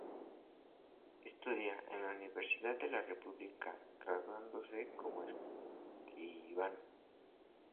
Estudia en la Universidad de la República, graduándose como escribano.